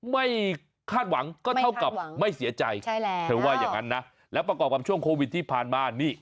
ไม่คาดหวังก็เท่ากับไม่เสียใจใช่แล้วเธอว่าอย่างนั้นนะแล้วประกอบกับช่วงโควิดที่ผ่านมานี่